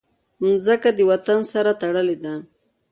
مځکه د وطن سره تړلې ده.